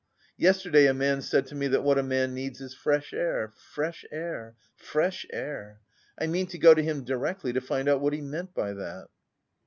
Yesterday a man said to me that what a man needs is fresh air, fresh air, fresh air. I mean to go to him directly to find out what he meant by that."